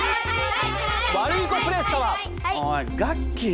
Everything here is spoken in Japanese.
ワルイコプレス様！おいガッキー。